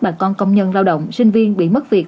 bà con công nhân lao động sinh viên bị mất việc